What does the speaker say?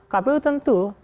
dua puluh kpu tentu